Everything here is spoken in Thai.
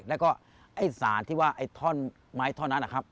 แล้วก็ไอ้สารที่ว่าไอ้ท่อนไม้ท่อนนั้นนะครับ